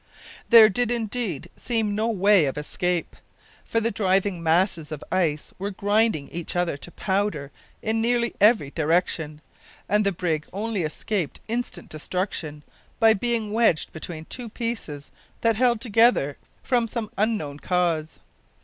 There did, indeed, seem no way of escape; for the driving masses of ice were grinding each other to powder in nearly every direction, and the brig only escaped instant destruction by being wedged between two pieces that held together from some unknown cause.